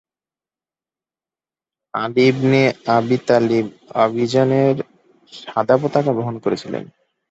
আলি ibn Abi Talib অভিযানের সাদা পতাকা বহন করেছিলেন।